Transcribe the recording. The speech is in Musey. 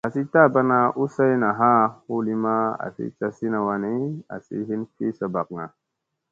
Hasi taaɓana u sayna haa hu li maa asi casina waani asi hin fi saɓakga.